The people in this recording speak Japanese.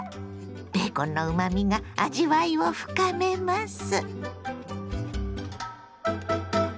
ベーコンのうまみが味わいを深めます。